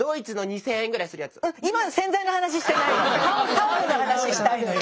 タオルの話したいのよ